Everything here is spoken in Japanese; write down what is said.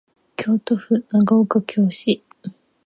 京都府長岡京市